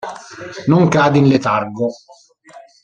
Non cade in letargo.